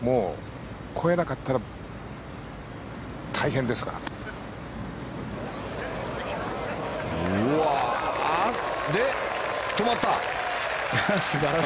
越えなかったら大変ですから。